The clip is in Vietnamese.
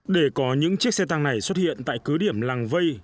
để có những chiếc xe tăng này xuất hiện tại cứ điểm làng vây